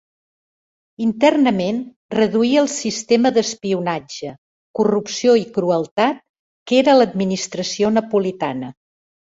Internament reduí el sistema d'espionatge, corrupció i crueltat que era l'administració napolitana.